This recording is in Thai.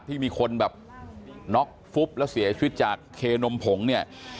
ที่มีคนแบบน็อกฟุบแล้วเสียชีวิตจากเคนมผงเนี่ย